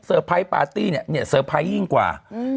เซอร์ไพรส์ปาร์ตี้เซอร์ไพรส์ยิ่งกว่า